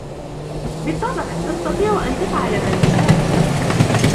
بالطبع ، تستطيع ان تفعل ما تشاء.